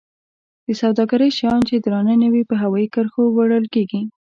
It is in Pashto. د سوداګرۍ شیان چې درانه نه وي په هوایي کرښو وړل کیږي.